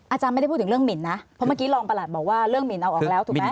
อาจารย์ไม่ได้พูดถึงเรื่องหมินนะเพราะเมื่อกี้รองประหลัดบอกว่าเรื่องหมินเอาออกแล้วถูกไหม